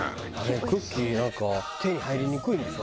クッキーなんか手に入りにくいんでしょ？